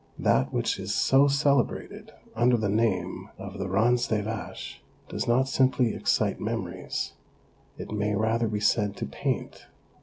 That which is so celebrated under the name of the Ranz des vaches does not simply excite memories ; it may rather be said to paint.